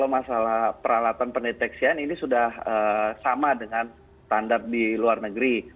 masalah peralatan pendeteksian ini sudah sama dengan standar di luar negeri